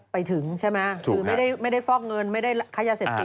ไปถึงใช่ไหมคือไม่ได้ฟอกเงินไม่ได้ค้ายาเสพติด